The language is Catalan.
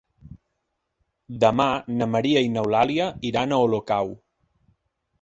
Demà na Maria i n'Eulàlia iran a Olocau.